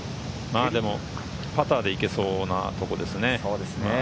でも、パターでいけそうなところですね。